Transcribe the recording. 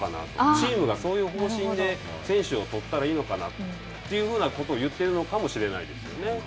チームがそういう方針で選手を採ったらいいのかなというふうなことを言っているのかもしれないですよね。